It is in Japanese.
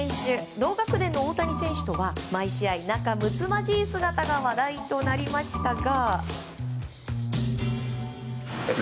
同学年の大谷選手とは毎試合、仲むつまじい姿が話題となりましたが。